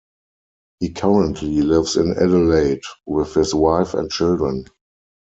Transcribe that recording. He currently lives in Adelaide with his wife and children.